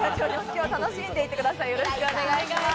今日は楽しんでいってください。